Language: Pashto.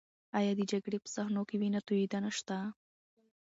ایا د جګړې په صحنو کې وینه تویدنه شته؟